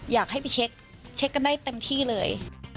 อยากให้ไปเช็คกันได้เต็มที่เลย